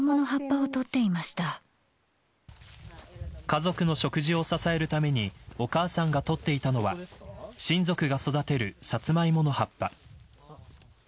家族の食事を支えるためにお母さんがとっていたのは親族が育てるサツマイモの葉っぱ。